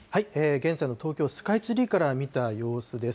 現在の東京スカイツリーから見た様子です。